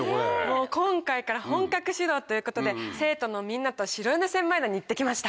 もう今回から本格始動ということで生徒のみんなと白米千枚田に行ってきました。